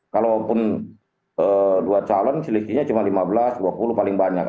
kalaupun dua calon selisihnya cuma lima belas dua puluh paling banyak